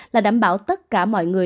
là đảm bảo tất cả mọi người